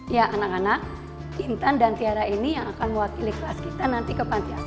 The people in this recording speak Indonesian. ya anak anak intan dan tiara ini yang akan mewakili kelas kita nanti ke panti asuhan ini ya